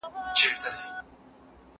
زه سبزیجات وچولي دي،